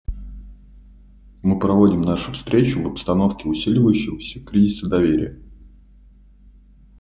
Мы проводим нашу встречу в обстановке усиливающегося кризиса доверия.